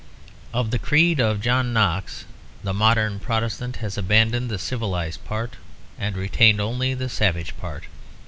Of the creed of John Knox the modern Protestant has abandoned the civilised part and retained only the savage part.